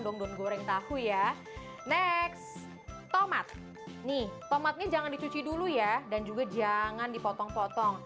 dong don goreng tahu ya next tomat nih tomatnya jangan dicuci dulu ya dan juga jangan dipotong potong